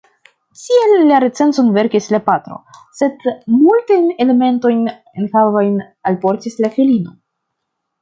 Tial la recenzon verkis la patro, sed multajn elementojn enhavajn alportis la filino.